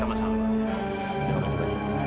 terima kasih pak